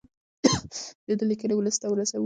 د ده لیکنې ولس ته ورسوو.